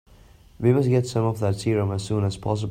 We must get some of that serum as soon as possible.